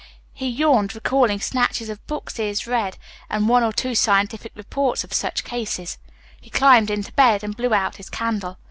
He yawned, recalling snatches of books he had read and one or two scientific reports of such cases. He climbed into bed and blew out his candle.